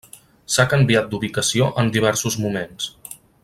S'ha canviat d'ubicació en diversos moments.